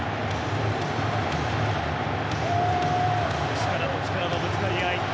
力と力のぶつかり合い。